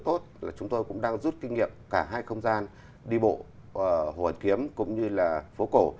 tốt là chúng tôi cũng đang rút kinh nghiệm cả hai không gian đi bộ hồ hoàn kiếm cũng như là phố cổ